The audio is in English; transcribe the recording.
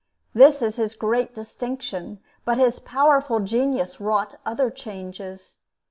This is his great distinction, but his powerful genius wrought other changes.